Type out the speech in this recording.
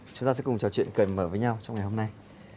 chúng ta sẽ cùng trò chuyện cởi mở với nhau trong ngày hôm nay